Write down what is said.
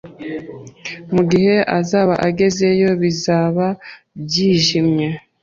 Mugihe azaba agezeyo, bizaba byijimye